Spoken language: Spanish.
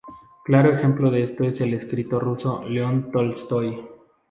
Claro ejemplo de esto es el escritor ruso León Tolstói.